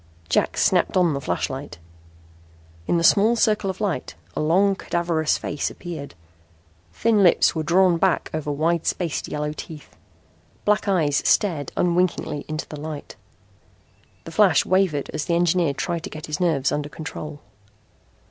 Jack snapped on the flash. In the small circle of light a long, cadaverous face appeared. Thin lips were drawn back over wide spaced yellow teeth. Black eyes stared unwinkingly into the light. The flash wavered as the engineer tried to get his nerves under control.